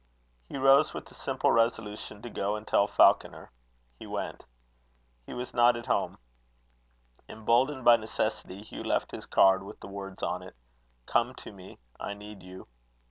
He rose with the simple resolution to go and tell Falconer. He went. He was not at home. Emboldened by necessity, Hugh left his card, with the words on it: "Come to me; I need you."